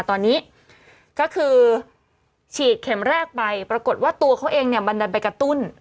ตอนนี้ก็คือฉีดเข็มแรกไปปรากฏว่าตัวเขาเองเนี่ยบันดันไปกระตุ้น